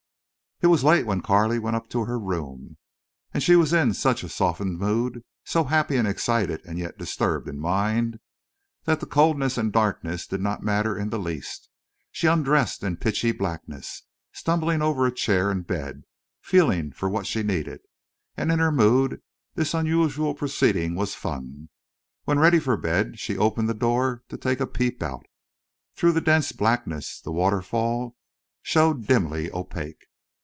It was late when Carley went up to her room. And she was in such a softened mood, so happy and excited and yet disturbed in mind, that the coldness and the darkness did not matter in the least. She undressed in pitchy blackness, stumbling over chair and bed, feeling for what she needed. And in her mood this unusual proceeding was fun. When ready for bed she opened the door to take a peep out. Through the dense blackness the waterfall showed dimly opaque.